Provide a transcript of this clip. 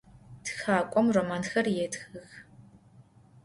Txak'om romanxer yêtxıx.